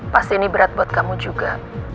pasti ini berat buat kamu juga